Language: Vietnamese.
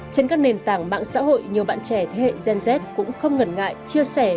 trên các nền tảng mạng xã hội nhiều bạn trẻ thế hệ gen z cũng không ngần ngại chia sẻ